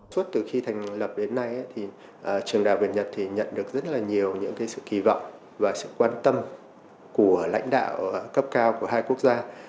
suốt từ khi thành lập đến nay thì trường đại học việt nhật nhận được rất là nhiều những sự kỳ vọng và sự quan tâm của lãnh đạo cấp cao của hai quốc gia